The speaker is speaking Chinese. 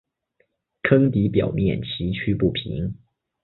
坑底表面崎岖不平。